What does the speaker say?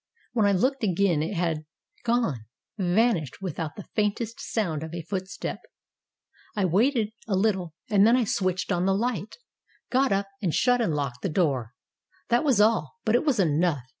When I looked again it had gone vanished without the faintest sound of a foot step. I waited a little, and then I switched on the light, got up, and shut and locked the door. That was all, but it was enough.